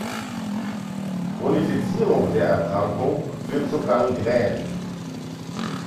Chronifizierung der Erkrankung führt zur Gangrän.